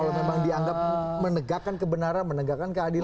kalau memang dianggap menegakkan kebenaran menegakkan keadilan